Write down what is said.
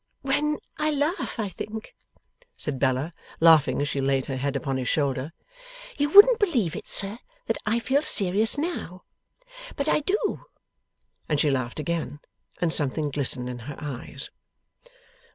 'When I laugh, I think,' said Bella, laughing as she laid her head upon his shoulder. 'You wouldn't believe, sir, that I feel serious now? But I do.' And she laughed again, and something glistened in her eyes.